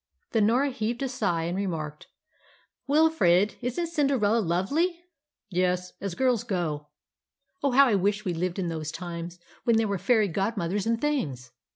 Then Norah heaved a sigh and remarked "Wilfrid, isn't Cinderella lovely?" "Yes, as girls go." "Oh, how I wish we lived in those times, when there were fairy godmothers and things!"